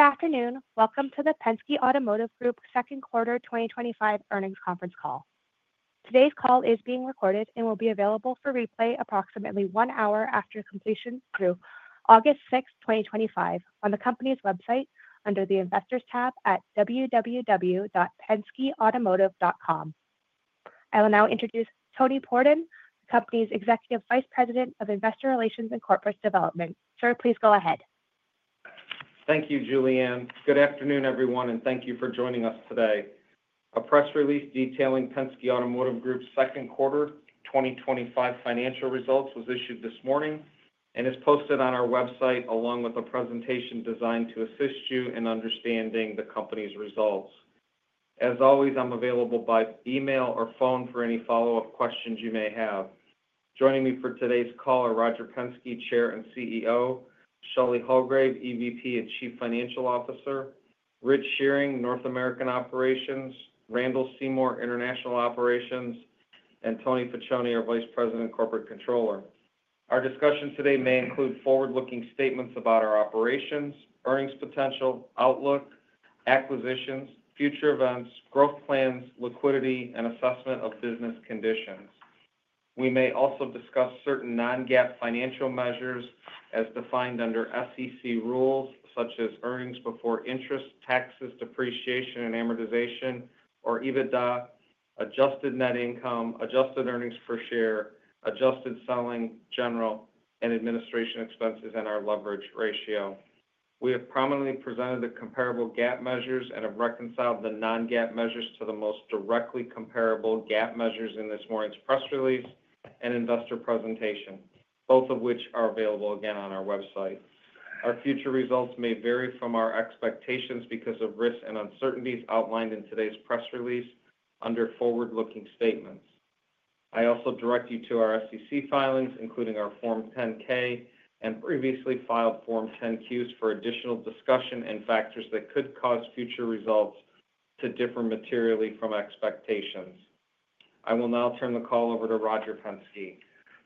Good afternoon. Welcome to the Penske Automotive Group Second Quarter 2025 Earnings Conference Call. Today's call is being recorded and will be available for replay approximately one hour after completion through August 6, 2025 on the Company's website under the Investors tab at www.penskeautomotive.com. I will now introduce Tony Pordon, the Company's Executive Vice President of Investor Relations and Corporate Development. Sir, please go ahead. Thank you. Julieann, good afternoon everyone and thank you for joining us today. A press release detailing Penske Automotive Group's Second Quarter 2025 financial results was issued this morning and is posted on our website along with a presentation designed to assist you in understanding the company's results. As always, I'm available by email or phone for any follow up questions you may have. Joining me for today's call are Roger Penske, Chair and CEO, Shelley Hulgrave, EVP and Chief Financial Officer, Rich Shearing, North American Operations, Randall Seymour, International Operations, and Tony Piccione, our Vice President Corporate Controller. Our discussion today may include forward looking statements about our operations, earnings potential, outlook, acquisitions, future events, growth plans, liquidity and assessment of business conditions. We may also discuss certain non-GAAP financial measures as defined under SEC rules such as earnings before interest, taxes, depreciation and amortization or EBITDA, adjusted net income, adjusted earnings per share, adjusted selling, general and administration expenses, and our leverage ratio. We have prominently presented the comparable GAAP measures and have reconciled the non-GAAP measures to the most directly comparable GAAP measures in this morning's press release and investor presentation, both of which are available again on our website. Our future results may vary from our expectations because of risks and uncertainties outlined in today's press release under Forward Looking Statements. I also direct you to our SEC filings, including our Form 10-K and previously filed Form 10-Qs for additional discussion and factors that could cause future results to differ materially from expectations. I will now turn the call over to Roger Penske.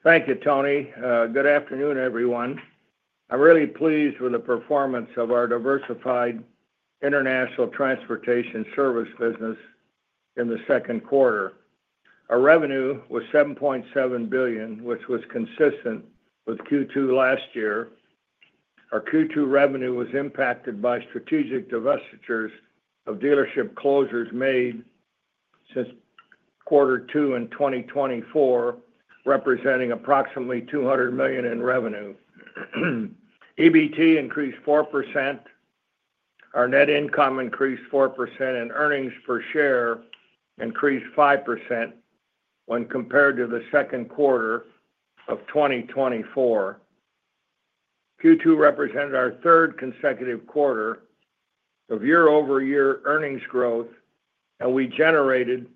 Thank you, Tony. Good afternoon, everyone. I'm really pleased with the performance of our diversified international transportation service business. In the Second Quarter, our revenue was $ 7.7 billion, which was consistent with Q2 last year. Our Q2 revenue was impacted by strategic divestitures and dealership closures made since quarter two in 2024, representing approximately $ 200 million in revenue. EBT increased 4%, our net income increased 4%, and earnings per share increased 5% when compared to the Second Quarter of 2024. Q2 represented our third consecutive quarter of Year-over-Year earnings growth, and we generated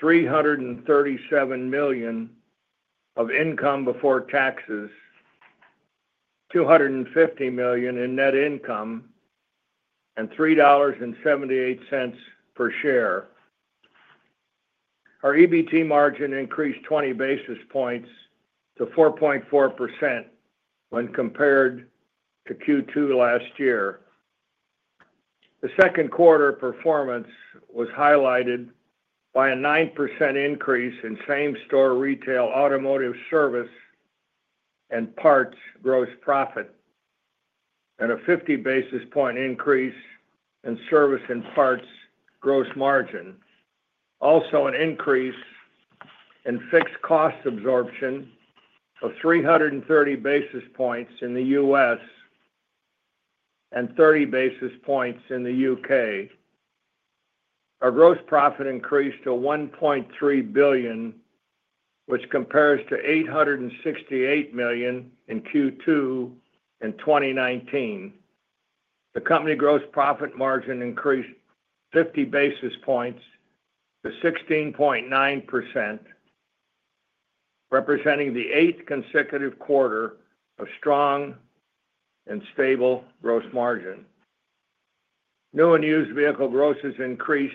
$ 337 million of income before taxes, $ 250 million in net income, and $ 3.78 per share. Our EBT margin increased 20 basis points to 4.4% when compared to Q2 last year. The Second Quarter performance was highlighted by a 9% increase in same-store retail automotive service and parts gross profit and a 50 basis point increase in service and parts gross margin. Also, an increase in fixed cost absorption of 330 basis points in the U.S. and 30 basis points in the U.K. Our gross profit increased to $ 1.3 billion, which compares to $ 868 million in Q2 in 2019. The company gross profit margin increased 50 basis points to 16.9%, representing the eighth consecutive quarter of strong and stable gross margin. New and used vehicle grosses increased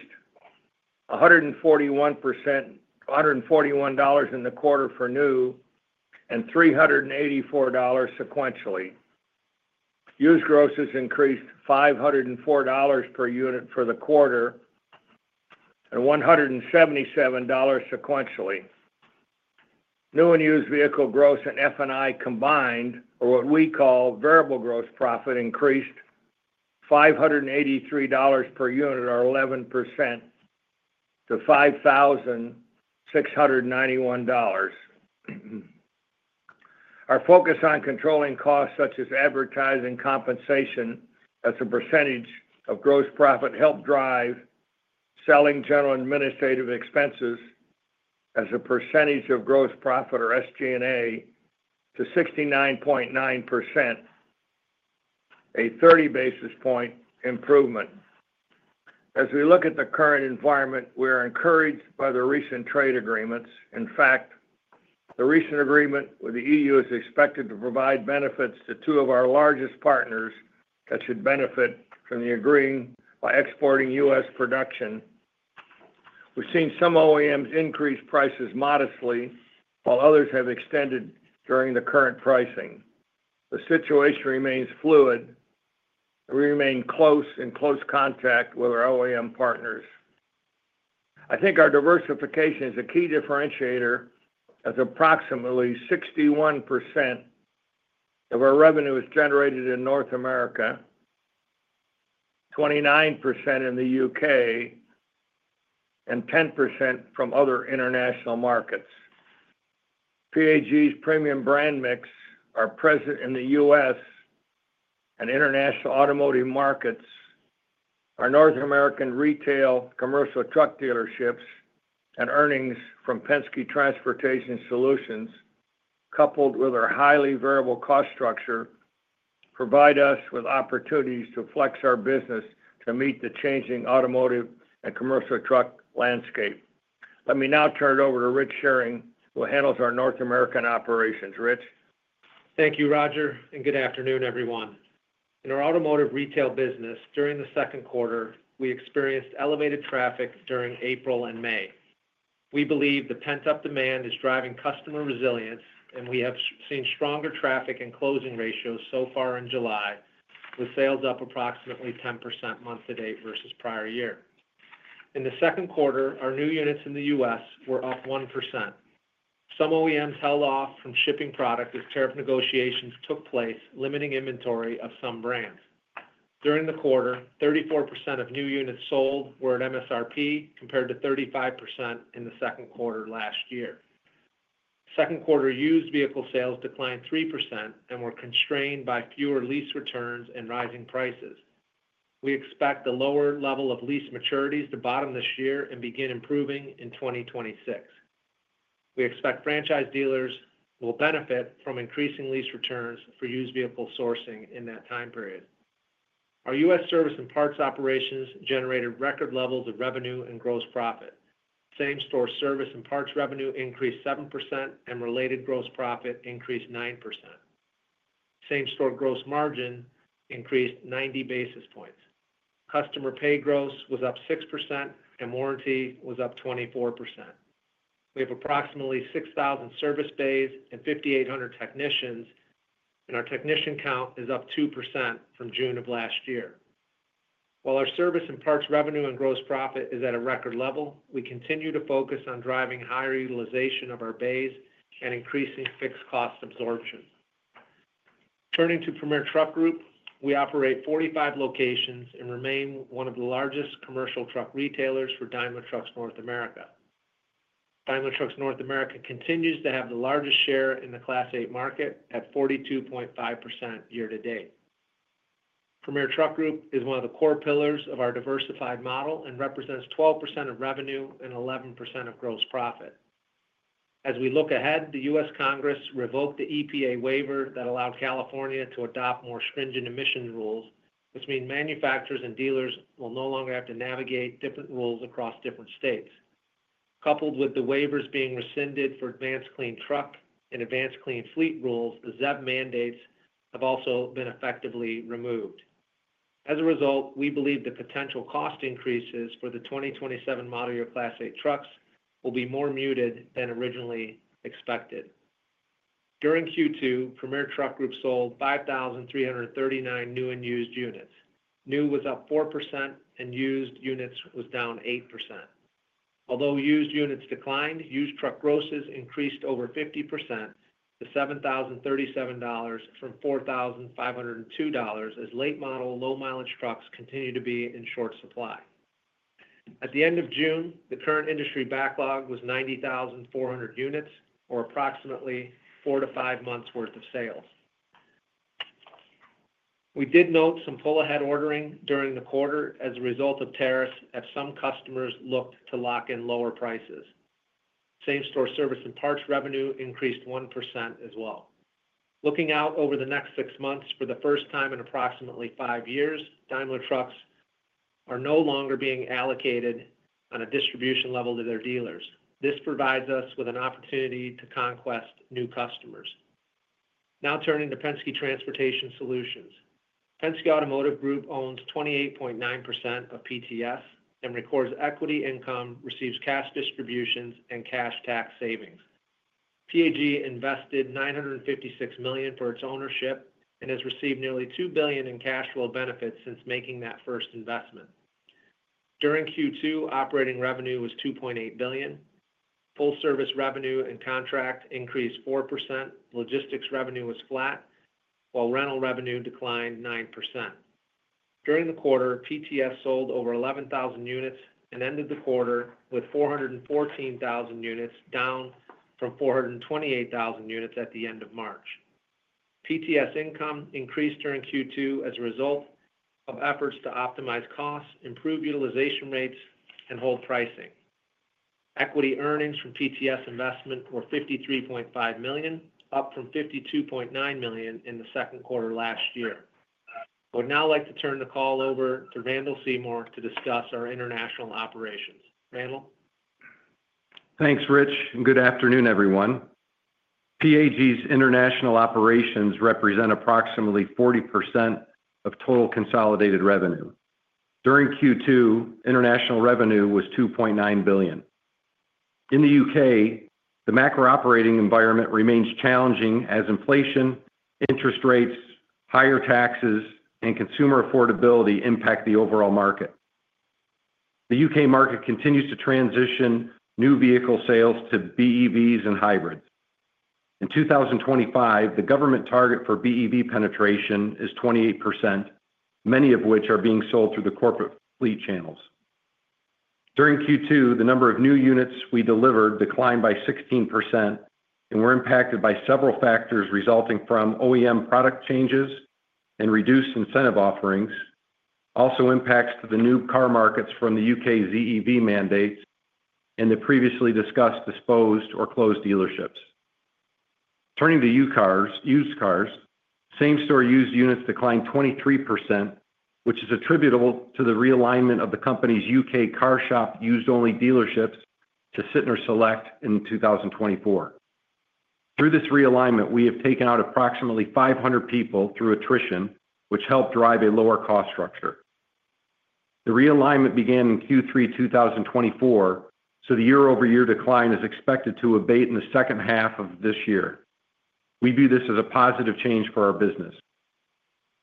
$ 141 in the quarter for new and $ 384 sequentially. Used grosses increased $ 504 per unit for the quarter and $ 177 sequentially. New and used vehicle gross and F&I combined, or what we call variable gross profit, increased $ 583 per unit or 11% to $ 5,691. Our focus on controlling costs such as advertising and compensation as a percentage of gross profit helped drive selling, general, and administrative expenses as a percentage of gross profit, or SG&A, to 69.9%, a 30 basis point improvement. As we look at the current environment, we are encouraged by the recent trade agreements. In fact, the recent agreement with the EU is expected to provide benefits to two of our largest partners that should benefit from the agreement by exporting U.S. production. We've seen some OEMs increase prices modestly while others have extended during the current pricing. The situation remains fluid. We remain in close contact with our OEM partners. I think our diversification is a key differentiator as approximately 61% of our revenue is generated in North America, 29% in the U.K., and 10% from other international markets. PAG's premium brand mix are present in the U.S. and international automotive markets. Our North American retail commercial truck dealerships and earnings from Penske Transportation Solutions, coupled with our highly variable cost structure, provide us with opportunities to flex our business to meet the changing automotive and commercial truck landscape. Let me now turn it over to Rich Shearing, who handles our North American operations. Rich, Thank you, Roger, and good afternoon, everyone. In our automotive retail business during the Second Quarter, we experienced elevated traffic during April and May. We believe the pent-up demand is driving customer resilience, and we have seen stronger traffic and closing ratios so far in July, with sales up approximately 10% month to date versus prior year. In the Second Quarter, our new units in the U.S. were up 1%. Some OEMs held off from shipping product as tariff negotiations took place, limiting inventory of some brands. During the quarter, 34% of new units sold were at MSRP compared to 35% in the Second Quarter last year. Second Quarter used vehicle sales declined 3% and were constrained by fewer lease returns and rising prices. We expect the lower level of lease maturities to bottom this year and begin improving in 2026. We expect franchise dealers will benefit from increasing lease returns for used vehicle sourcing. In that time period, our U.S. service and parts operations generated record levels of revenue and gross profit. Same store service and parts revenue increased 7% and related gross profit increased 9%. Same store gross margin increased 90 basis points. Customer pay gross was up 6% and warranty was up 24%. We have approximately 6,000 service bays and 5,800 technicians, and our technician count is up 2% from June of last year. While our service and parts revenue and gross profit is at a record level, we continue to focus on driving higher utilization of our bays and increasing fixed cost absorption. Turning to Premier Truck Group, we operate 45 locations and remain one of the largest commercial truck retailers for Daimler Truck North America. Daimler Truck North America continues to have the largest share in the Class 8 market at 42.5% year to date. Premier Truck Group is one of the core pillars of our diversified model and represents 12% of revenue and 11% of gross profit. As we look ahead, the U.S. Congress revoked the EPA waiver that allowed California to adopt more stringent emissions rules, which means manufacturers and dealers will no longer have to navigate different rules across different states. Coupled with the waivers being rescinded for Advanced Clean Trucks and Advanced Clean Fleets rules, the ZEV mandates have also been effectively removed. As a result, we believe the potential cost increases for the 2027 model year Class 8 trucks will be more muted than originally expected. During Q2, Premier Truck Group sold 5,339 new and used units. New was up 4% and used units was down 8%. Although used units declined, used truck grosses increased over 50% to $ 7,037 from $ 4,502 as late model low mileage trucks continue to be in short supply. At the end of June, the current industry backlog was 90,400 units or approximately four to five months worth of sales. We did note some pull ahead ordering during the quarter as a result of tariffs as some customers looked to lock in lower prices. Same-store service and parts revenue increased 1% as well. Looking out over the next six months, for the first time in approximately five years, Daimler Trucks are no longer being allocated on a distribution level to their dealers. This provides us with an opportunity to conquest new customers. Now turning to Penske Transportation Solutions. Penske Automotive Group owns 28.9% of PTS and records equity income, receives cash distributions and cash tax savings. PAG invested $ 956 million for its ownership and has received nearly $ 2 billion in cash flow benefits since making that first investment. During Q2, operating revenue was $ 2.8 billion. Full service revenue and contract increased 4%. Logistics revenue was flat while rental revenue declined 9%. During the quarter, PTS sold over 11,000 units and ended the quarter with 414,000 units, down from 428,000 units at the end of March. PTS income increased during Q2 as a result of efforts to optimize costs, improve utilization rates and hold pricing. Equity earnings from PTS investment were $ 53.5 million, up from $ 52.9 million in the Second Quarter last year. I would now like to turn the call over to Randall Seymour to discuss our international operations. Randall, Thanks Rich, and good afternoon everyone. PAG's international operations represent approximately 40% of total consolidated revenue during Q2. International revenue was $ 2.9 billion in the U.K. The macro operating environment remains challenging as inflation, interest rates, higher taxes, and consumer affordability impact the overall market. The U.K. market continues to transition new vehicle sales to BEVs and hybrids in 2025. The government target for BEV penetration is 28%, many of which are being sold through the corporate fleet channels. During Q2, the number of new units we delivered declined by 16% and were impacted by several factors resulting from OEM product changes and reduced incentive offerings. Also impacting the new car markets are the U.K. ZEV mandates and the previously discussed disposed or closed dealerships turning to used cars. Same-store used units declined 23%, which is attributable to the realignment of the company's U.K. CarShop used-only dealerships to Sytner Select in 2024. Through this realignment, we have taken out approximately 500 people through attrition, which helped drive a lower cost structure. The realignment began in Q3 2024, so the Year-over-Year decline is expected to abate in the second half of this year. We view this as a positive change for our business,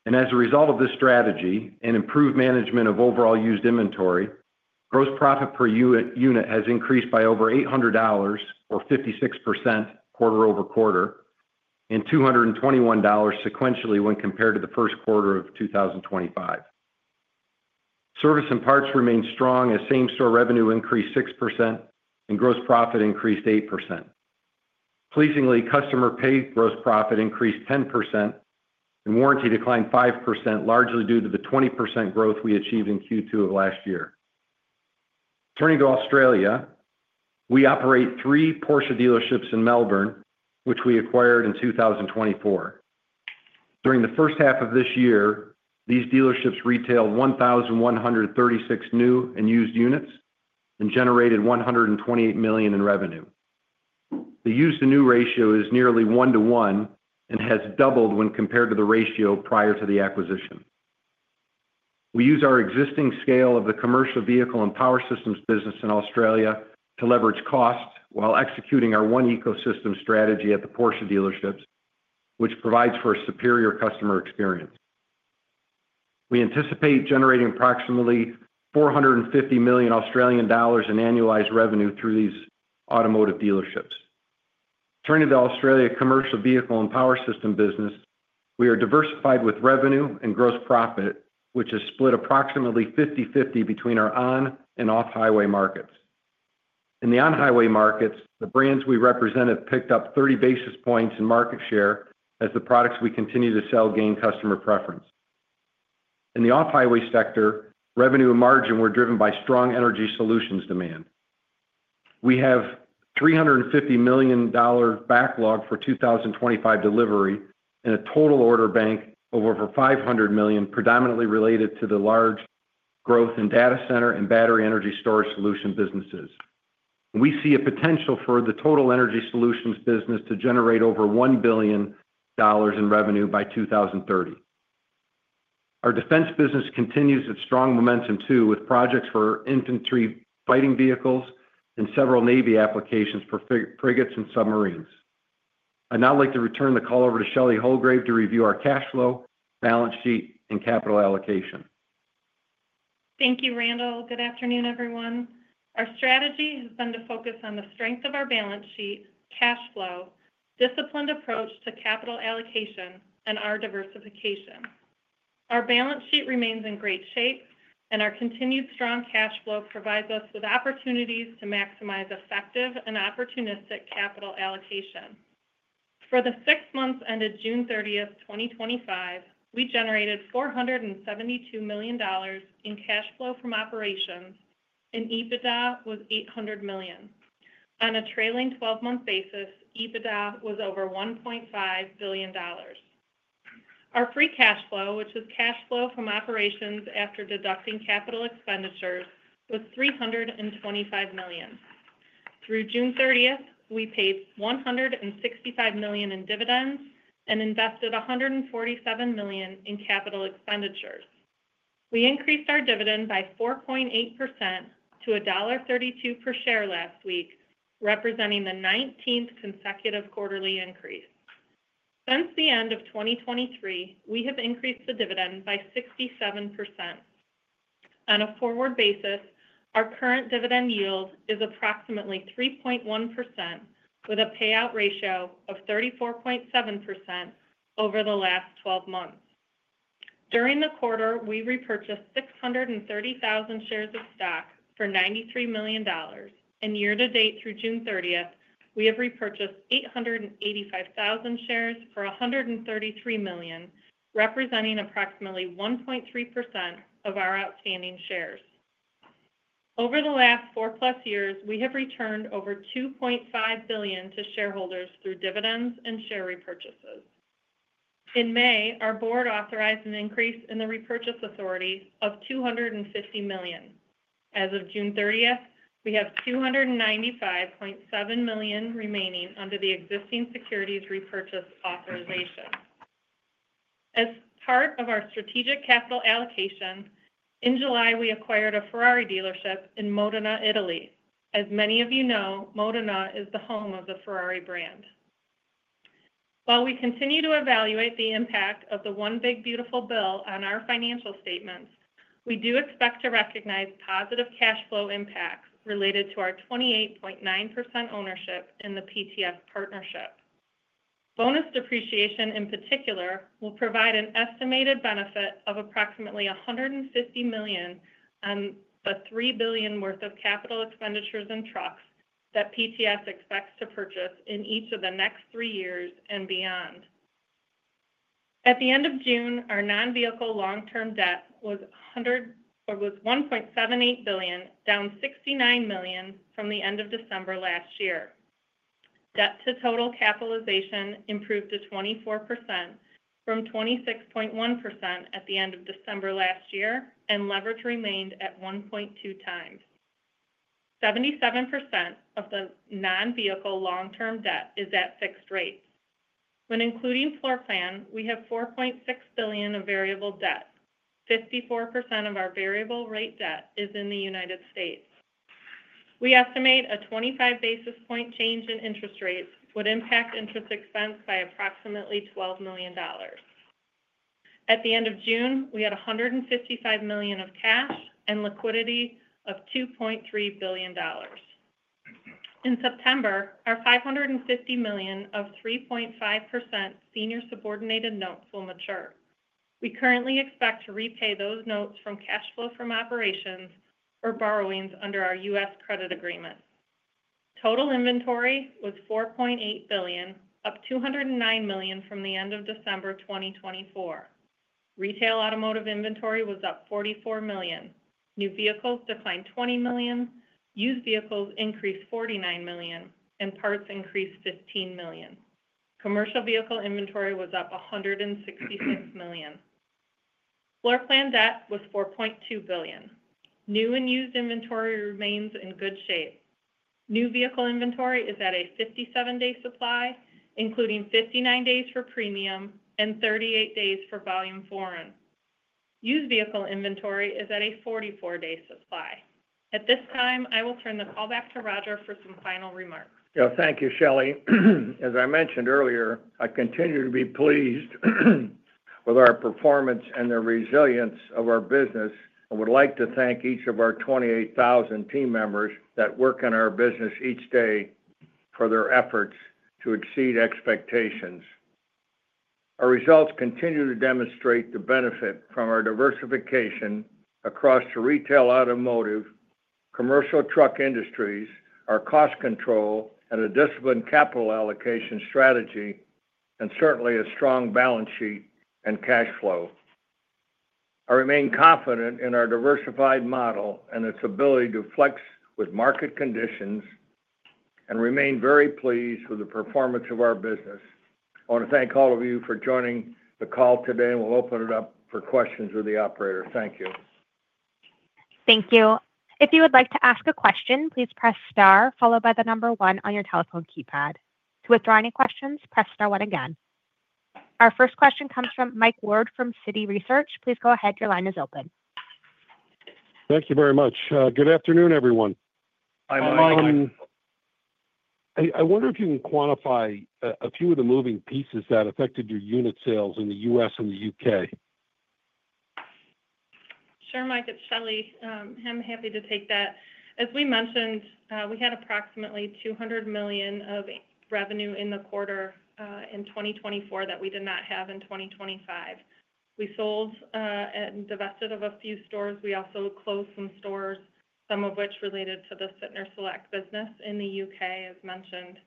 and as a result of this strategy and improved management of overall used inventory, gross profit per unit has increased by over $ 800 or 56% quarter-over-quarter, and $ 221 sequentially when compared to the first quarter of 2025. Service and parts remained strong as same-store revenue increased 6% and gross profit increased 8%. Pleasingly, customer pay gross profit increased 10% and warranty declined 5%, largely due to the 20% growth we achieved in Q2 of last year. Turning to Australia, we operate three Porsche dealerships in Melbourne, which we acquired in 2024. During the first half of this year, these dealerships retailed 1,136 new and used units and generated $ 128 million in revenue. The used to new ratio is nearly 1:1 and has doubled when compared to the ratio prior to the acquisition. We use our existing scale of the commercial vehicle and power systems business in Australia to leverage cost while executing our one ecosystem strategy at the Porsche dealerships, which provides for a superior customer experience. We anticipate generating approximately $ 450 million in annualized revenue through these automotive dealerships. Turning to the Australia commercial vehicle and power system business, we are diversified with revenue and gross profit which is split approximately 50-50 between our on and off highway markets. In the on highway markets, the brands we represent have picked up 30 basis points in market share as the products we continue to sell gain customer preference. In the off highway sector, revenue and margin were driven by strong energy solutions demand. We have a $ 350 million backlog for 2025 delivery and a total order bank of over $ 500 million, predominantly related to the large growth in data center and battery energy storage solution businesses. We see a potential for the total energy solutions business to generate over $ 1 billion in revenue by 2030. Our defense business continues its strong momentum too with projects for infantry fighting vehicles and several Navy applications for frigates and submarines. I'd now like to return the call over to Shelley Hulgrave to review our cash flow, balance sheet and capital allocation. Thank you, Randall. Good afternoon, everyone. Our strategy has been to focus on the strength of our balance sheet, cash flow, disciplined approach to capital allocation, and our diversification. Our balance sheet remains in great shape, and our continued strong cash flow provides us with opportunities to maximize effective and opportunistic capital allocation. For the six months ended June 30, 2025, we generated $ 472 million in cash flow from operations, and EBITDA was $ 800 million. On a trailing twelve month basis, EBITDA was over $ 1.5 billion. Our free cash flow, which is cash flow from operations after deducting capital expenditures, was $ 325 million. Through June 30, we paid $ 165 million in dividends and invested $ 147 million in capital expenditures. We increased our dividend by 4.8% to $ 1.32 per share last week, representing the 19th consecutive quarterly increase. Since the end of 2023, we have increased the dividend by 67% on a forward basis. Our current dividend yield is approximately 3.1% with a payout ratio of 34.7% over the last 12 months. During the quarter, we repurchased 630,000 shares of stock for $ 93 million, and year to date through June 30, we have repurchased 885,000 shares for $ 133 million, representing approximately 1.3% of our outstanding shares. Over the last four plus years, we have returned over $ 2.5 billion to shareholders through dividends and share repurchases. In May, our Board authorized an increase in the repurchase authority of $ 250 million. As of June 30, we have $ 295.7 million remaining under the existing securities repurchase authorization as part of our strategic capital allocation. In July, we acquired a Ferrari dealership in Modena, Italy. As many of you know, Modena is the home of the Ferrari brand. While we continue to evaluate the impact of the one big beautiful bill on our financial statements, we do expect to recognize positive cash flow impacts related to our 28.9% ownership in the PTS partnership. Bonus depreciation in particular will provide an estimated benefit of approximately $ 150 million on the $ 3 billion worth of capital expenditures and trucks that PTS expects to purchase in each of the next three years and beyond. At the end of June, our non-vehicle long term debt was $ 1.78 billion, down $ 69 million from the end of December last year. Debt to total capitalization improved to 24% from 26.1% at the end of December last year, and leverage remained at 1.2 times. 77% of the non-vehicle long term debt is at fixed rates. When including floor plan we have $ 4.6 billion of variable debt. 54% of our variable rate debt is in the U.S. We estimate a 25 basis point change in interest rates would impact interest expense by approximately $ 12 million. At the end of June we had $ 155 million of cash and liquidity of $ 2.3 billion. In September, our $ 550 million of 3.5% senior subordinated notes will mature. We currently expect to repay those notes from cash flow from operations or borrowings under our U.S. credit agreement. Total inventory was $ 4.8 billion, up $ 209 million from the end of December 2024. Retail automotive inventory was up $ 44 million. New vehicles declined $ 20 million. Used vehicles increased $ 49 million and parts increased $ 15 million. Commercial vehicle inventory was up $ 166 million. Floor plan debt was $ 4.2 billion. New and used inventory remains in good shape. New vehicle inventory is at a 57 day supply including 59 days for premium and 38 days for volume. Foreign used vehicle inventory is at a 44 day supply. At this time I will turn the call back to Roger for some final remarks. Thank you, Shelley. As I mentioned earlier, I continue to be pleased with our performance and the resilience of our business and would like to thank each of our 28,000 team members that work in our business each day for their efforts to exceed expectations. Our results continue to demonstrate the benefit from our diversification across the retail, automotive, commercial truck industries, our cost control and a disciplined capital allocation strategy and certainly a strong balance sheet and cash flow. I remain confident in our diversified model and its ability to flex with market conditions and remain very pleased with the performance of our business. I want to thank all of you for joining the call today and we'll open it up for questions with the operator. Thank you. Thank you. If you would like to ask a question, please press STAR followed by the number one on your telephone keypad. To withdraw any questions, press STAR one. Again, our first question comes from Michael Ward from Citi Research. Please go ahead, your line is open. Thank you very much. Good afternoon everyone. I wonder if you can quantify a. Few of the moving pieces that affected. Your unit sales in the U.S. and the U.K.? Sure. Mike, it's Shelley. I'm happy to take that. As we mentioned, we had approximately $ 200 million of revenue in the quarter in 2024 that we did not have in 2025. We sold and divested of a few stores. We also closed some stores, some of which related to the Sytner Select business in the U.K. as mentioned.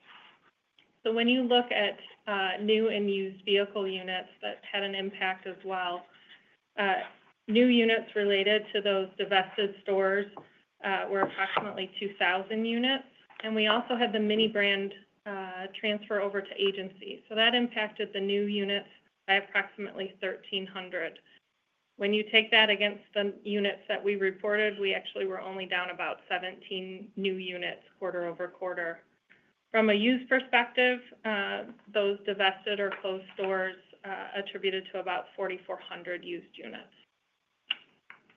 When you look at new and used vehicle units that had an impact as well. New units related to those divested stores were approximately 2,000 units and we also had the MINI brand transfer over to agency so that impacted the new units by approximately 1,300. When you take that against the units that we reported, we actually were only down about 17 new units quarter-over-quarter. From a used perspective, those divested or closed stores attributed to about 4,400 used units.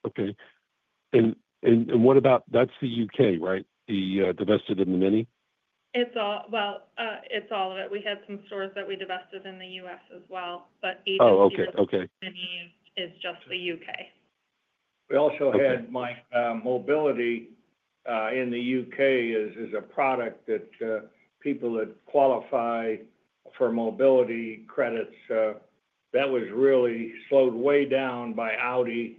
Okay, and what about. That's the U.K., right? They divested in the MINI. It's all. It's all of it. We had some stores that we divested in the U.S. as well. Okay, okay, It's just the U.K. We also had. Mobility in the U.K. is a product that people that qualify for mobility credits. That was really slowed way down by $i,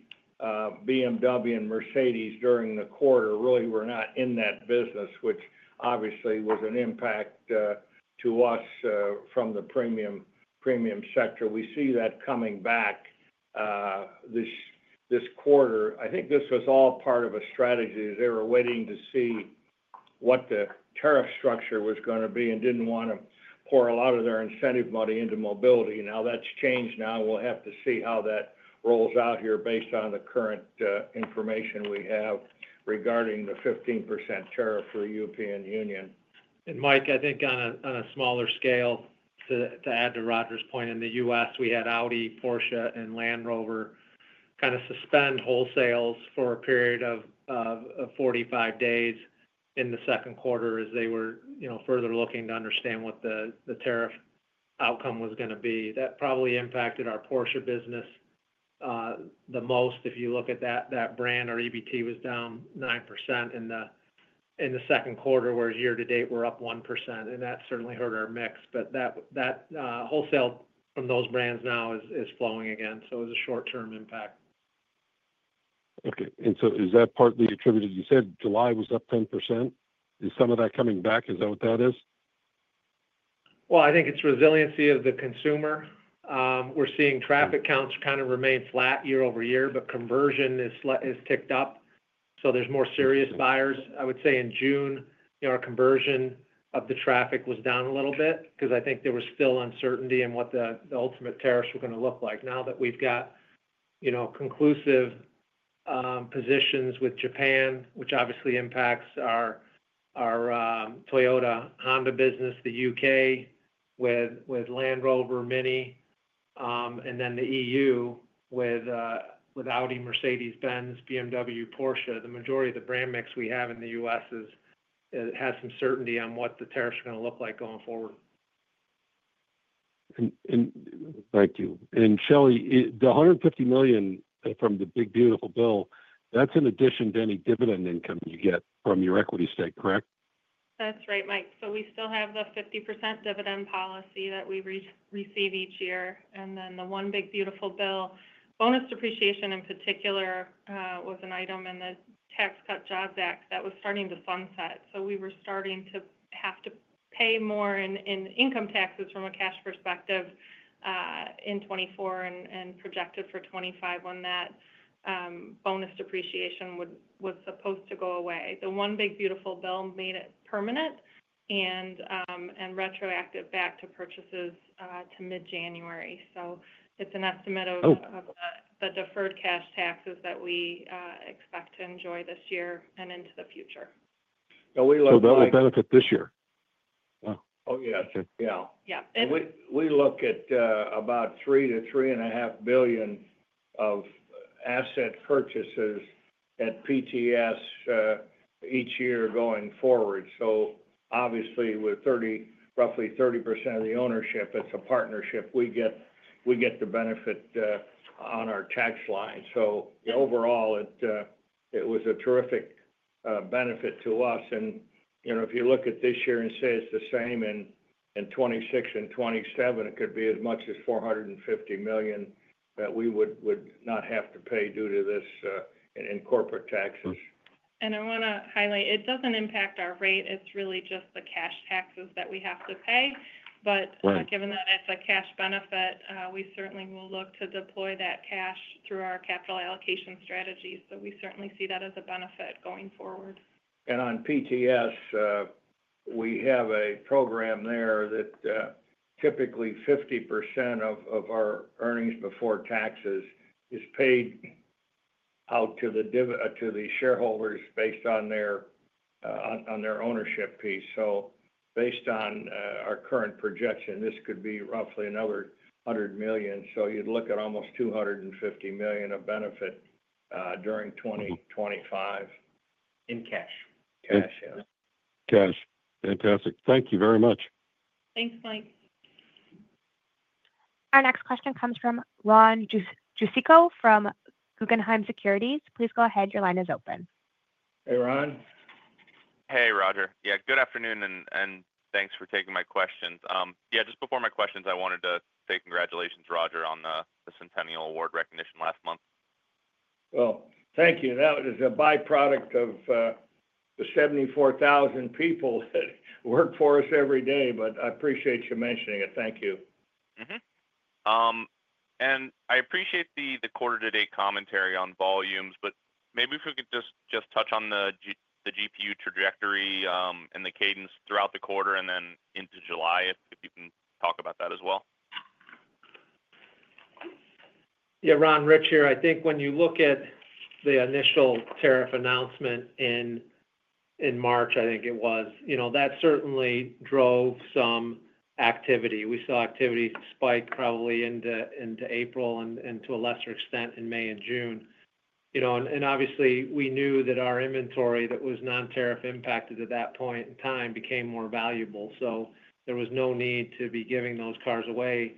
BMW and Mercedes during the quarter. Really were not in that business, which obviously was an impact to us from the premium premium sector. We see that coming back this, this quarter. I think this was all part of a strategy. They were waiting to see what the tariff structure was going to be and did not want to pour a lot of their incentive money into mobility. Now that has changed. Now we will have to see how that rolls out here based on the current information we have regarding the 15% tariff for European Union. Mike, I think on a smaller scale, to add to Roger's point, in the U.S. we had $i, Porsche and Land Rover kind of suspend wholesales for a period of 45 days in the Second Quarter as they were further looking to understand what the tariff outcome was going to be. That probably impacted our Porsche business the most. If you look at that brand, our EBT was down 9% in the Second Quarter, whereas year to date we're up 1%. That certainly hurt our mix. That wholesale from those brands now is flowing again. It was a short term impact. Okay, and is that partly attributed? You said July was up 10%. Is some of that coming back? Is that what that is? I think it's resiliency of the consumer we're seeing. Traffic counts kind of remain flat year over year, but conversion has ticked up. There are more serious buyers. I would say in June our conversion of the traffic was down a little bit because I think there was still uncertainty in what the ultimate tariffs were going to look like. Now that we've got, you know, conclusive positions with Japan, which obviously impacts our Toyota, Honda business, the U.K. with Land Rover, MINI, and then the EU with $i, Mercedes-Benz, BMW, Porsche, the majority of the brand mix we have in the U.S. has some certainty on what the tariffs are going to look like going forward. Thank you. Shelley, the $ 150 million from the big beautiful bill, that's in addition to any dividend income you get from your equity stake, correct? That's right, Mike. We still have the 50% dividend policy that we receive each year and then the one big beautiful bill. Bonus depreciation in particular was an item in the Tax Cuts and Jobs Act that was starting to sunset. We were starting to have to pay more in income taxes from a cash perspective in 2024 and projected for 2025, when that bonus depreciation was supposed to go away. The one big beautiful bill made it permanent and retroactive back to purchases to mid January. It's an estimate of the deferred cash taxes that we expect to enjoy this year and into the future. That will benefit this year? Oh, yeah, yeah, Yeah. We look at about $ 3 billion-$ 3.5 billion of asset purchases at PTS each year going forward. Obviously, with roughly 30% of the ownership, it's a partnership. We get the benefit on our tax line. So you. Overall, it was a terrific benefit to us. You know, if you look at this year and say it is the same in 2026 and 2027, it could be as much as $ 450 million that we would not have to pay due to this in corporate taxes. I want to highlight, it does not impact our rate. It is really just the cash taxes that we have to pay. Given that it is a cash benefit, we certainly will look to deploy that cash through our capital allocation strategies. We certainly see that as a benefit going forward. On PTS, we have a program there that typically 50% of our earnings before taxes is paid out to the dividend, to the shareholders based on their ownership piece. Based on our current projection, this could be roughly another $ 100 million. You'd look at almost $ 250 million of benefit during 2025 in cash. Fantastic. Thank you very much. Thanks, Mike. Our next question comes from Ron Joswick from Guggenheim Securities. Please go ahead. Your line is open. Hey, Ron. Hey, Roger. Yeah, good afternoon and thanks for taking my questions. Yeah, just before my questions, I wanted to say congratulations, Roger, on the Centennial Award recognition last month. Thank you. That was a byproduct of the 74,000 people that work for us every day. I appreciate you mentioning it. Thank you. I appreciate the quarter to date commentary on volumes. Maybe if we could just touch on the GPU trajectory and the cadence throughout the quarter and then into July, if you can talk about that as well. Yeah, Ron Rich here. I think when you look at the initial tariff announcement in, in March, I think it was, you know, that certainly drove some activity. We saw activity spike probably into April and to a lesser extent in May and June. Obviously we knew that our inventory that was non-tariff impacted at that point in time became more valuable. There was no need to be giving those cars away,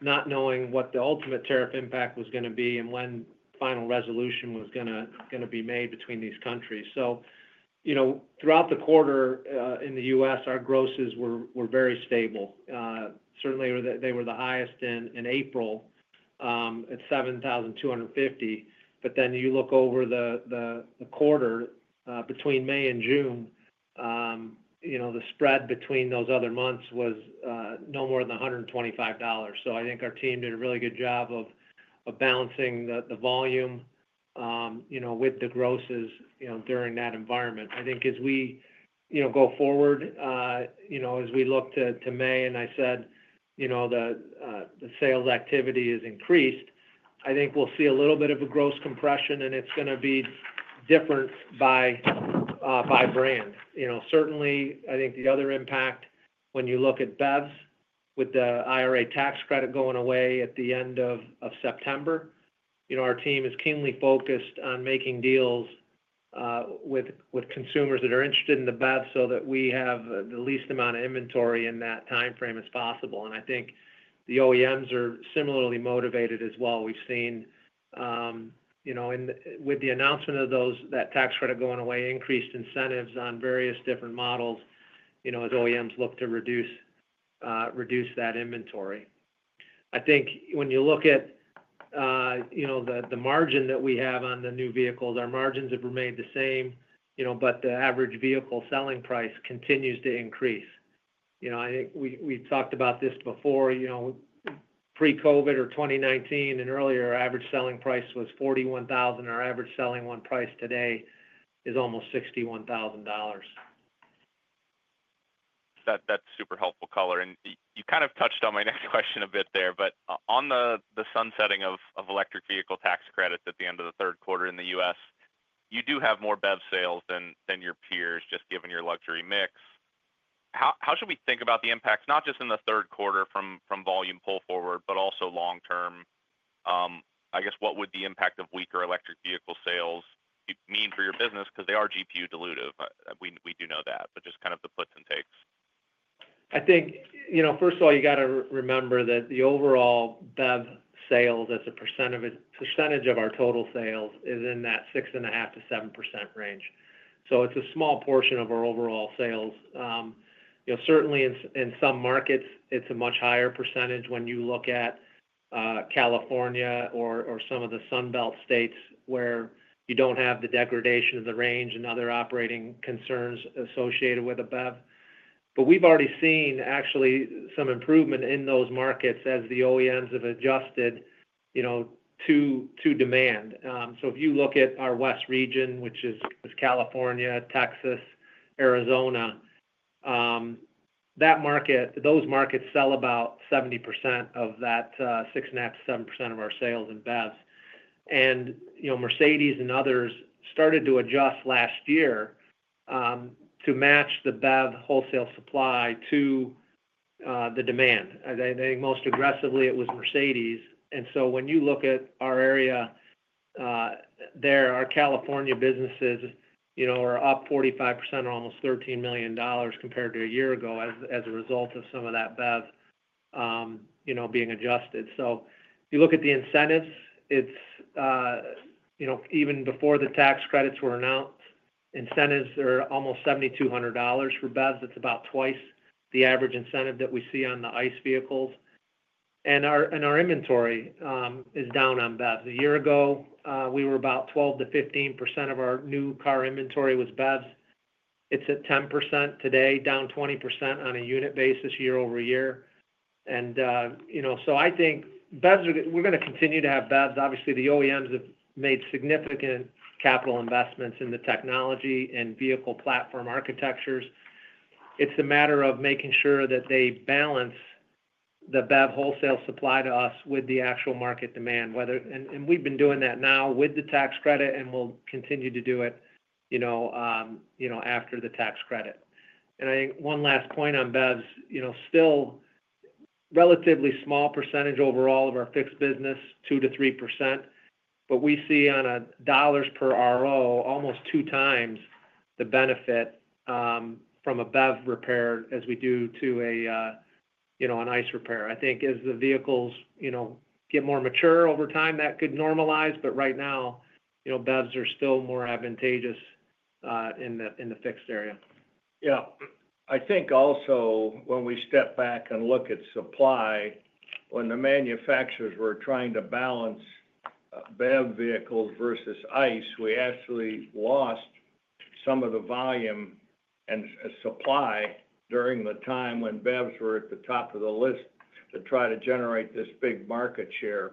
not knowing what the ultimate tariff impact was going to be and when final resolution was going to be made between these countries. You know, throughout the quarter in the U.S. our grosses were very stable. Certainly they were the highest in April at $ 7,250. Then you look over the quarter between May and June, the spread between those other months was no more than $ 125. I think our team did a really good job of balancing the volume with the grosses during that environment. I think as we go forward, as we look to May, and I said, the sales activity is increased, I think we'll see a little bit of a gross compression and it's going to be different by brand. Certainly I think the other impact when you look at BEVs, with the IRA tax credit going away at the end of September, our team is keenly focused on making deals with consumers that are interested in the BEV so that we have the least amount of inventory in that timeframe as possible. I think the OEMs are similarly motivated as well. We've seen, with the announcement of those, that tax credit going away, increased incentives on various different models as OEMs look to reduce that inventory. I think when you look at the margin that we have on the new vehicles, our margins have remained the same, but the average vehicle selling price continues to increase. I think we talked about this before, pre-COVID or 2019 and earlier, average selling price was $ 41,000. Our average selling price today is almost $ 61,000. That's super helpful color. You kind of touched on my next question a bit there. On the sunsetting of electric vehicle tax credits at the end of the Third Quarter in the U.S., you do have more BEV sales than your peers, just given your luxury mix. How should we think about the impacts not just in the Third Quarter from volume pull forward, but also long term? I guess. What would the impact of weaker electric vehicle sales mean for your business? Because they are GPU dilutive. We do know that. Just kind of the puts and. Takes, I think, you know, first of all, you got to remember that the overall BEV sales as a percent of it, percentage of our total sales, is in that 6.5%-7% range. So it's a small portion of our overall sales. Certainly in some markets, it's a much higher percentage when you look at California or some of the Sun Belt states where you don't have the degradation of the range and other operating concerns associated with a BEV. But we've already seen actually some improvement in those markets as the OEMs have adjusted to demand. If you look at our West region, which is California, Texas, Arizona, that market, those markets sell about 70% of that 6.5%-7% of our sales in BEV. And, you know, Mercedes and others started to adjust last year to match the BEV wholesale supply to the demand. I think most aggressively it was Mercedes. When you look at our area there, our California businesses, you know, are up 45% or almost $ 13 million compared to a year ago as a result of some of that BEV, you know, being adjusted. You look at the incentives. It's, you know, even before the tax credits were announced, incentives are almost $ 7,200 for BEVs. It's about twice the average incentive that we see on the ICE vehicles. And our inventory is down on BEVs. A year ago, we were about 12%-15% of our new car inventory was BEVs. It's at 10% today, down 20% on a unit basis Year-over-Year. You know, I think BEVs, we're going to continue to have BEVs. Obviously, the OEMs have made significant capital investments in the technology and vehicle platform architectures. It's a matter of making sure that they balance the BEV wholesale supply to us with the actual market demand. We've been doing that now with the tax credit, and we'll continue to do it, you know, after the tax credit. I think one last point. On BEVs, you know, still relatively small percentage overall of our fixed business, 2%-3%. But we see on a dollars per RO, almost two times the benefit from a BEV repair as we do to a, you know, an ICE repair. I think as the vehicles, you know, get more mature over time, that could normalize. But right now, you know, BEVs are still more advantageous in the fixed area. Yeah. I think also when we step back and look at supply, when the manufacturers were trying to balance BEV vehicles versus ICE, we actually lost some of the volume and supply during the time when BEVs were at the top of the list to try to generate this big market share.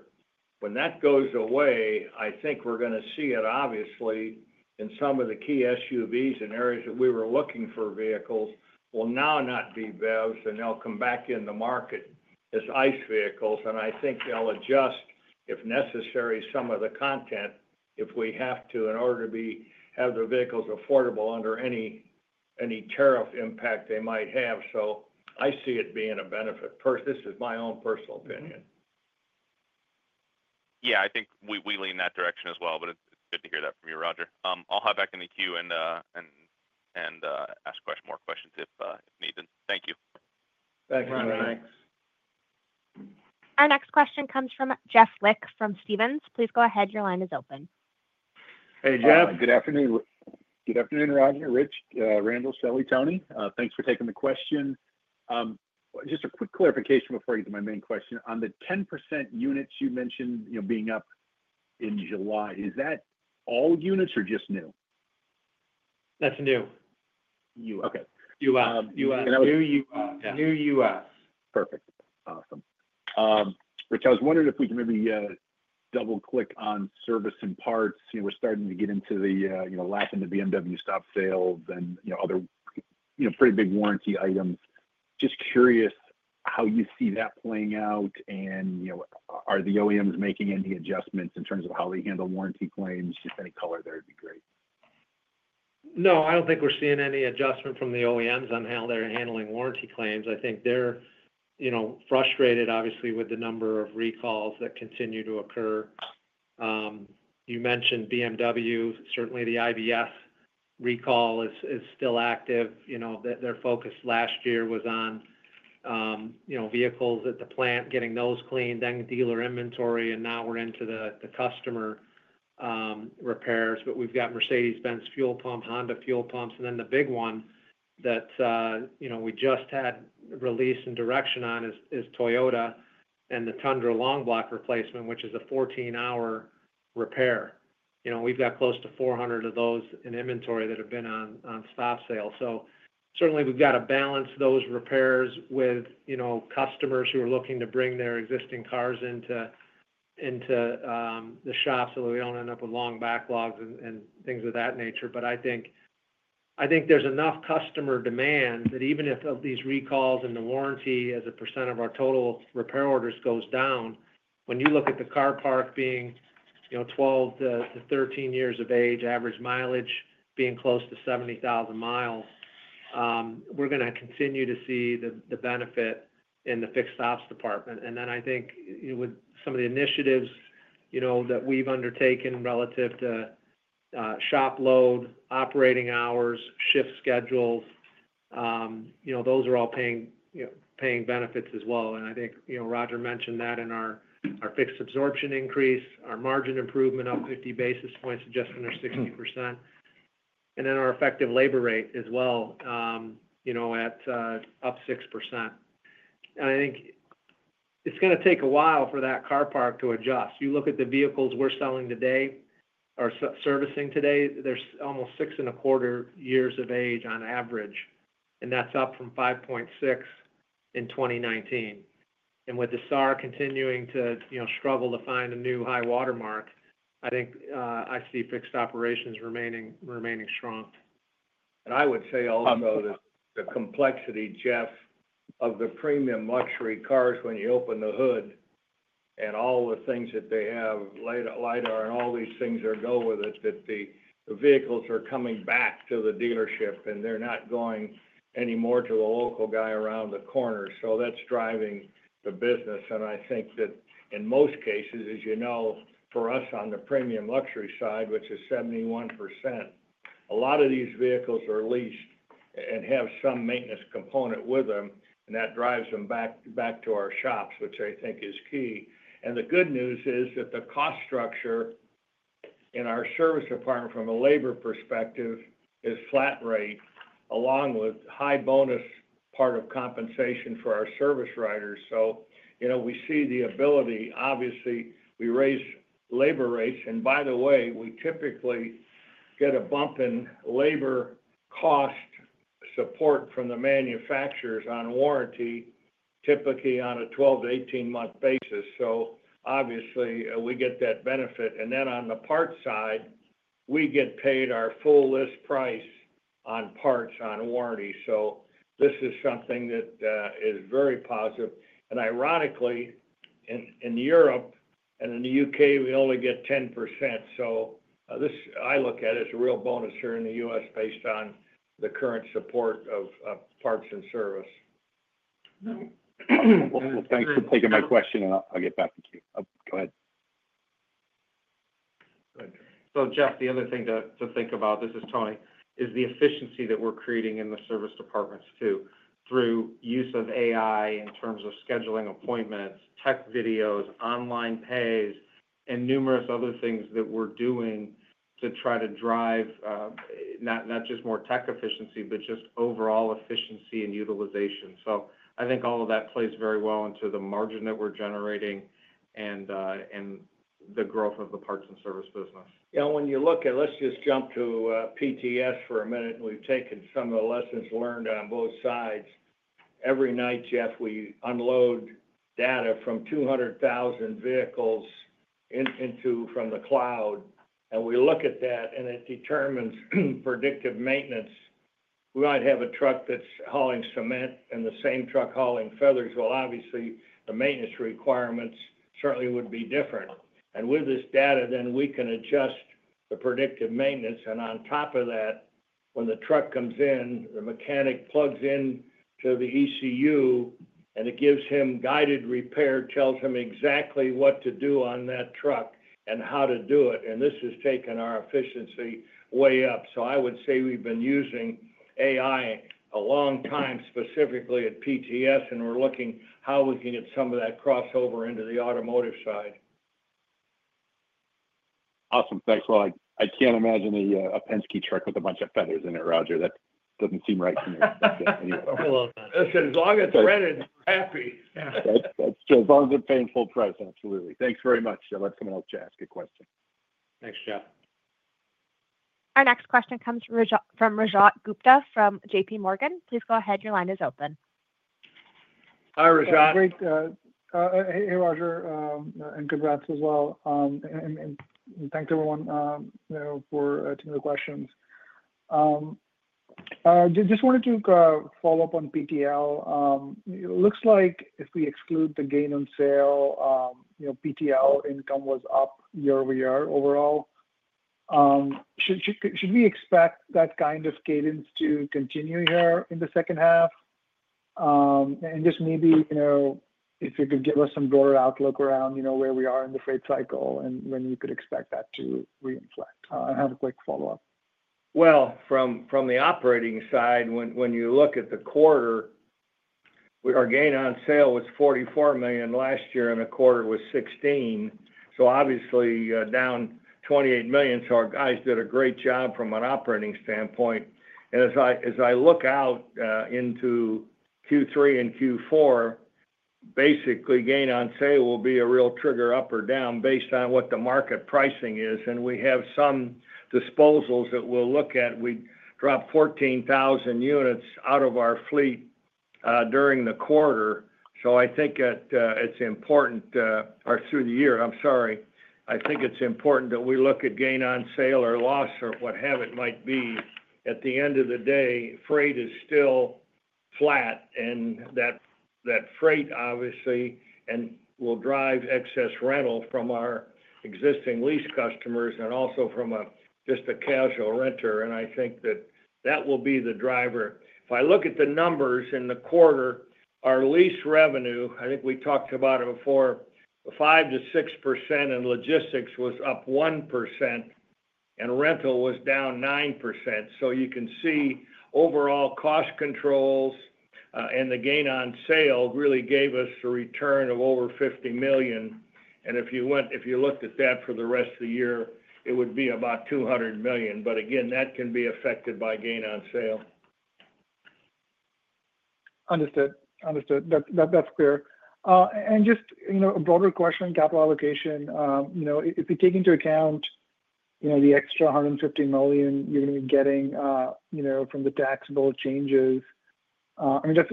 When that goes away, I think we're going to see it obviously in some of the key SUVs and areas that we were looking for vehicles will now not be BEVs and they'll come back in the market as ICE vehicles. I think they'll adjust if necessary, some of the content if we have to in order to have the vehicles affordable under any tariff impact they might have. I see it being a benefit. This is my own personal opinion. Yeah, I think we lean that direction as well. It's good to hear that from you, Roger. I'll hop back in the queue and ask questions if needed. Thank you. Thanks. Our next question comes from Jeff Link from Stephens Inc.. Please go ahead. Your line is open. Hey Jeff. Good afternoon, Roger. Rich, Randall, Shelley, Tony, thanks for taking the question. Just a quick clarification before I get to my main question. On the 10% units you mentioned, you know, being up in July, is that all units or just new? That's new. Okay. New U.S. Perfect. Awesome. Rich, I was wondering if we can maybe double click on service and parts. You know, we're starting to get into. The, you know, laughing, the BMW stop sales, and you know, other, you know. Pretty big warranty items. Just curious how you see that playing out. You know, are the OEMs making any adjustments in terms of how they handle warranty claims? Just any color there would be great. No, I don't think we're seeing any adjustment from the OEMs on how they're handling warranty claims. I think they're, you know, frustrated obviously with the number of recalls that continue to occur. You mentioned BMW. Certainly the IBS recall is still active. You know, their focus last year was on, you know, vehicles at the plant, getting those cleaned, then dealer inventory. Now we're into the customer repairs. We've got Mercedes-Benz fuel pump, Honda fuel pumps, and then the big one that, you know, we just had release and direction on is Toyota and the Tundra long block replacement, which is a 14 hour repair. We've got close to 400 of those in inventory that have been on stop sale. Certainly we've got to balance those repairs with, you know, customers who are looking to bring their existing cars into the shop so that we don't end up with long backlogs and things of that nature. I think there's enough customer demand that even if these recalls and the warranty as a % of our total repair orders goes down, when you look at the car park being 12-13 years of age, average mileage being close to 70,000 miles, we're going to continue to see the benefit in the fixed ops department. I think with some of the initiatives that we've undertaken relative to shop load, operating hours, shift schedules, those are all paying, you know, paying benefits as well. I think, you know, Roger mentioned that in our fixed absorption increase, our margin improvement up 50 basis points, adjusting near 60%, and then our effective labor rate as well, you know, at up 6%. I think it's going to take a while for that car park to adjust. You look at the vehicles we're selling today or servicing today, there's almost six and a quarter years of age on average and that's up from 5.6 in 2019. With the SAAR continuing to struggle to find a new high water mark, I think I see fixed operations remaining strong. I would say also that the complexity, Jeff, of the premium luxury cars, when you open the hood and all the things that they have, lidar and all these things that go with it, the vehicles are coming back to the dealership and they're not going anymore to the local guy around the corner. That's driving the business. I think that in most cases, as you know, for us on the premium luxury side, which is 71%, a lot of these vehicles are leased and have some maintenance component with them and that drives them back to our shops, which I think is key. The good news is that the cost structure in our service department from a labor perspective is flat rate along with high bonus part of compensation for our service writers. You know, we see the ability, obviously we raise labor rates and by the way, we typically get a bump in labor cost support from the manufacturers on warranty, typically on a 12-18 month basis. Obviously we get that benefit. On the parts side we get paid our full list price on parts on warranty. This is something that is very positive. Ironically in Europe and in the U.K. we only get 10%. I look at this as a real bonus here in the U.S. based on the current support of parts and service. Thanks for taking my question and I'll. Get back to. Go ahead. Jeff, the other thing to think about with this is, Tony, is the efficiency that we're creating in the service departments too, through use of AI in terms of scheduling, appointments, tech videos, online pays, and numerous other things that we're doing to try to drive not just more tech efficiency, but just overall efficiency and utilization. I think all of that plays very well into the margin that we're generating and the growth of the parts and service business. When you look at, let's just jump to PTS for a minute. And we've taken some of the lessons learned on both sides. Every night, Jeff, we unload data from 200,000 vehicles from the cloud and we look at that and it determines predictive maintenance. We might have a truck that's hauling cement and the same truck hauling feathers. Obviously the maintenance requirements certainly would be different. With this data, then we can adjust the predictive maintenance. On top of that, when the truck comes in, the mechanic plugs in to the ECU and it gives him guided repair, tells him exactly what to do on that truck and how to do it. This has taken our efficiency way up. I would say we've been using AI a long time, specifically at PTS, and we're looking how we can get some of that crossover into the automotive side. Awesome, thanks. I. I can't imagine a Penske. Truck with a bunch of feathers in it. Roger, that doesn't seem right to me. As long as happy, that's true. As long as it's paying full price, absolutely. Thanks very much. Let someone else ask a question. Thanks, Jeff. Our next question comes from Rajat Gupta from JPMorgan. Please go ahead. Your line is open. Hi, Rajat. Great. Hey, Roger. Congrats as well. Thanks everyone for taking the questions. Just wanted to follow up on PTL. It looks like if we exclude the gain on sale, you know, PTL income was up Year-over-Year overall. Should we expect that kind of cadence to continue here in the second half and just maybe, you know, if you could give us some broader outlook around, you know, where we are in the freight cycle and when you could expect that to reinfect. I have a quick follow up. From the operating side, when you look at the quarter, our gain on sale was $ 44 million last year and the quarter was $ 16 million, so obviously down $ 28 million. Our guys did a great job from an operating standpoint. As I look out into Q3 and Q4, basically gain on sale will be a real trigger up or down based on what the market pricing is. We have some disposals that we'll look at. We dropped 14,000 units out of our fleet during the quarter. I think it's important, or through the year, I'm sorry, I think it's important that we look at gain on sale or loss or what have it might be. At the end of the day, freight is still flat. That freight obviously will drive excess rental from our existing lease customers and also from just a casual renter. I think that will be the driver. If I look at the numbers in the quarter, our lease revenue, I think we talked about it before, 5%-6%, and logistics was up 1% and rental was down 9%. You can see overall cost controls. The gain on sale really gave us a return of over $ 50 million. If you looked at that for the rest of the year, it would be about $ 200 million. Again, that can be affected by gain on sale. Understood, that's clear. Just a broader question on capital allocation. If you take into account the extra $ 150 million you are going to be getting from the tax bill changes, I mean, that's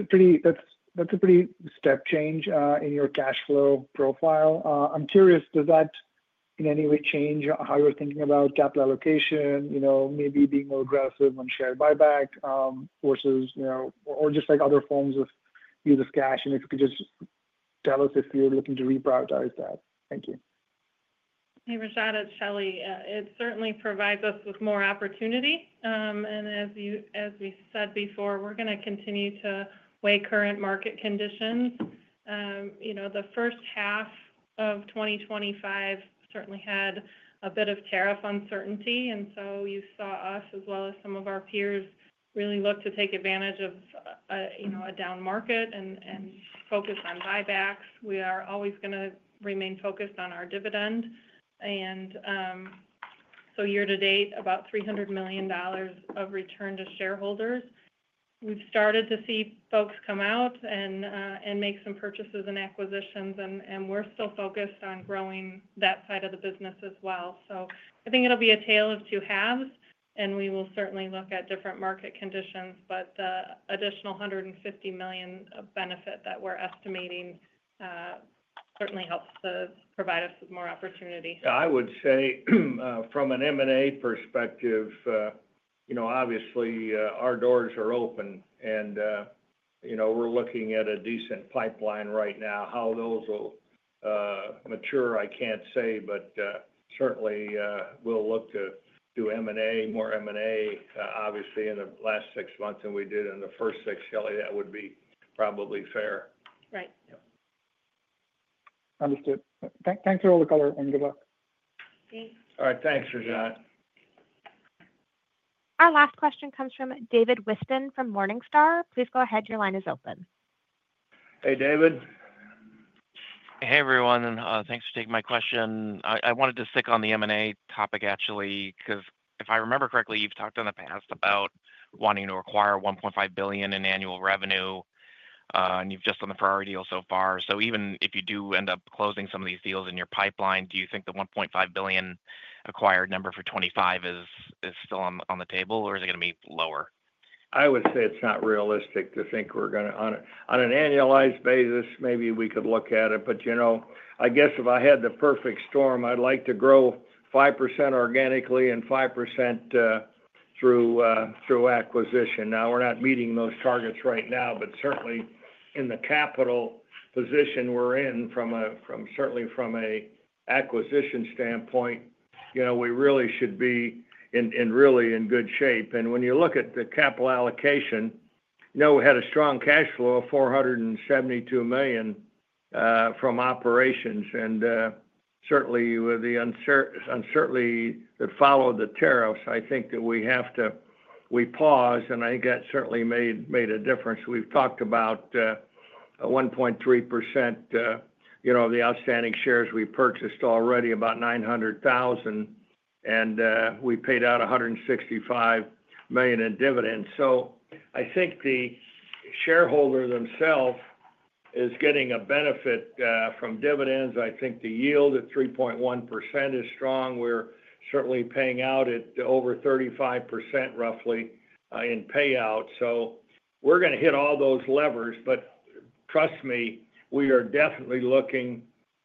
a pretty step change in your cash flow profile. I'm curious, does that in any way change how you are thinking about capital allocation? You know, maybe being more aggressive on share buyback versus, you know, or just like other forms of use of cash? If you could just tell us if you are looking to reprioritize that. Thank you. Hey, Rajat, it's Shelley. It certainly provides us with more opportunity. And as we, as I said before, we're going to continue to weigh current market conditions. You know, the first half of 2025 certainly had a bit of tariff uncertainty. You saw us, as well as some of our peers, really look to take advantage of, you know, a down market and focus on buybacks. We are always going to remain focused on our dividend. Year to date, about $ 300 million of return to shareholders. We've started to see folks come out and make some purchases and acquisitions, and we're still focused on growing that side of the business as well. I think it'll be a tale of two halves, and we will certainly look at different market conditions, but the additional $ 150 million benefit that we're estimating certainly helps provide us with more opportunity. I would say, from an M&A perspective, you know, obviously our doors are open and, you know, we're looking at a decent pipeline right now. How those will mature, I can't say, but certainly we'll look to do M&A, more M&A, obviously, in the last six months than we did in the first six. Kelly, that would be probably fair. Right. Understood. Thanks for all the color and good luck. All right, thanks, Rajat. Our last question comes from David Whiston from Morningstar. Please go ahead. Your line is open. Hey, David. Hey, everyone. Thanks for taking my question. I wanted to stick on the M&A topic, actually, because if I. Remember correctly, you've talked in the past. About wanting to acquire $ 1.5 billion in annual revenue, and you've just done the. Ferrari deal so far. Even if you do end up. Closing some of these deals in your. Pipeline, do you think the $ 1.5 billion. Acquired number for 25 is still on. The table or is it going to be lower? I would say it's not realistic to think we're going to on an annualized basis. Maybe we could look at it. But, you know, I guess if I had the perfect storm, I'd like to grow 5% organically and 5% through acquisition. Now, we're not meeting those targets right now, but certainly in the capital position we're in from, certainly from an acquisition standpoint, you know, we really should be in, really in good shape. When you look at the capital allocation, you know, we had a strong cash flow of $ 472 million from operations. Certainly with the uncertainty that followed the tariffs, I think that we have to. We paused and I think that certainly made a difference. We've talked about 1.3% of the outstanding shares. We purchased already about 900,000, and we paid out $ 165 million in dividends. I think the shareholder themselves is getting a benefit from dividends. I think the yield at 3.1% is strong. We're certainly paying out at over 35% roughly in payout. We're going to hit all those levers. Trust me, we are definitely looking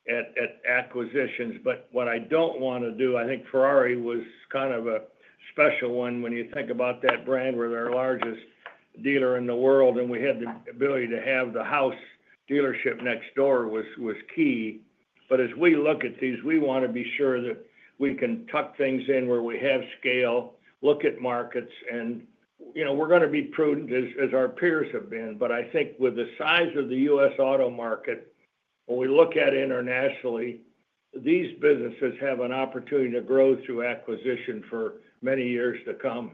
at acquisitions. What I don't want to do, I think Ferrari was kind of a special one when you think about that brand. We're the largest dealer in the world and we had the ability to have the house dealership next door was key. As we look at these, we want to be sure that we can tuck things in where we have scale, look at markets and, you know, we're going to be prudent as our peers have been. I think with the size of the US Auto market, when we look at internationally, these businesses have an opportunity to grow through acquisition for many years to come.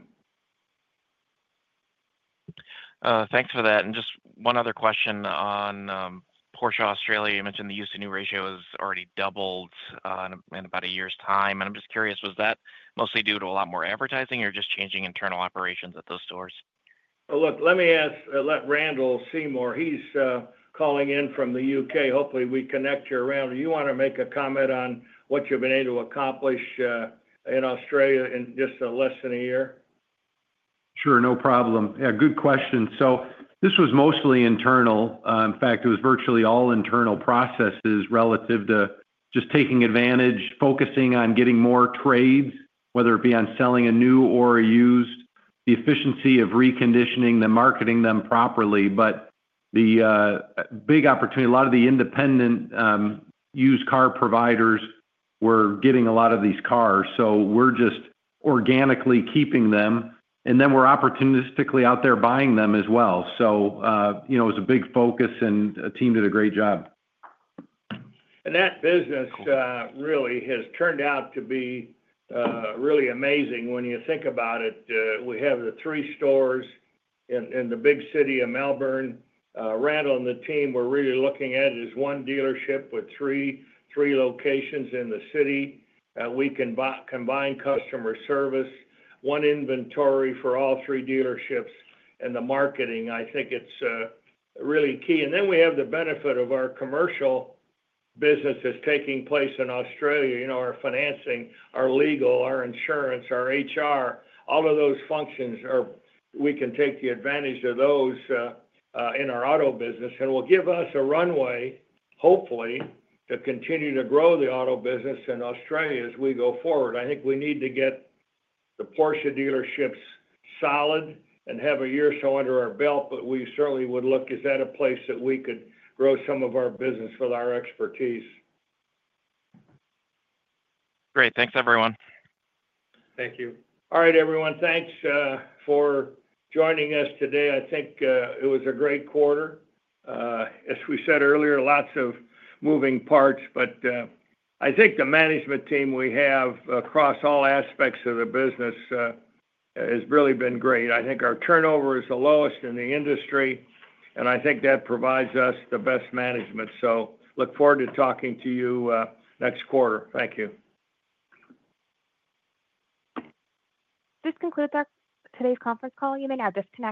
Thanks for that. Just one other question on Porsche. Australia, you mentioned the used to new. Ratio has already doubled in about a year's time. I'm just curious, was that mostly? Due to a lot more advertising or just changing internal operations at those stores? Look, let me ask, Randall Seymour, he's calling in from the U.K. hopefully we connect you around. You want to make a comment on what you've been able to accomplish in Australia in just less than a year. Sure, no problem. Good question. This was mostly internal. In fact, it was virtually all internal processes relative to just taking advantage, focusing on getting more trades, whether it be on selling a new or used, the efficiency of reconditioning, the marketing them properly. The big opportunity, a lot of the independent used car providers were getting a lot of these cars. We are just organically keeping them and then we're opportunistically out there buying them as well. You know, it was a big focus and team did a great job. That business really has turned out to be really amazing when you think about it. We have the three stores in the big city of Melbourne, Randall, and the team we're really looking at is one dealership with three. Three locations in the city. We can combine customer service, one inventory for all three dealerships and the marketing, I think it's really key. We have the benefit of our commercial businesses taking place in Australia. You know, our financing, our legal, our insurance, our HR, all of those functions are we can take the advantage of those in our auto business and will give us a runway, hopefully to continue to grow the auto business in Australia as we go forward. I think we need to get the Porsche dealerships solid and have a year or so under our belt, but we certainly would look, is that a place that we could grow some of our business with our expertise. Great. Thanks, everyone. Thank you. All right, everyone, thanks for joining us today. I think it was a great quarter, as we said earlier, lots of moving parts, but I think the management team we have across all aspects of the business has really been great. I think our turnover is the lowest in the industry and I think that provides us the best management. Look forward to talking to you next quarter. Thank you. This concludes today's conference call. You may now disconnect.